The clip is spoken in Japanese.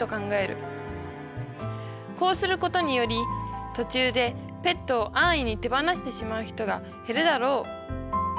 こうすることにより途中でペットを安易に手放してしまう人がへるだろう」。